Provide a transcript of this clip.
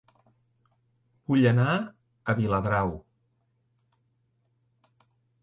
Vull anar a Viladrau